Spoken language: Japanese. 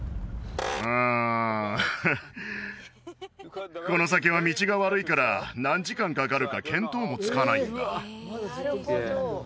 うんこの先は道が悪いから何時間かかるか見当もつかないんだ